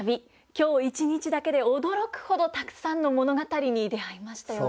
今日一日だけで驚くほどたくさんの物語に出会いましたよね。